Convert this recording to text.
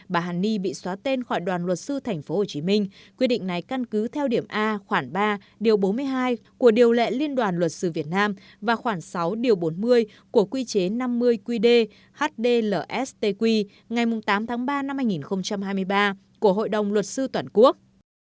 bà hàn ni bị xóa tên khỏi đoàn luật sư tp hcm quy định này căn cứ theo điểm a khoảng ba điều bốn mươi hai của điều lệ liên đoàn luật sư việt nam và khoảng sáu điều bốn mươi của quy chế năm mươi qd hdl stq ngày tám tháng ba năm hai nghìn hai mươi ba của hội đồng luật sư toàn quốc